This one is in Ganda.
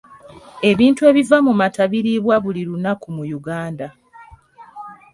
Ebintu ebiva mu mata biriibwa buli lunaku mu Uganda.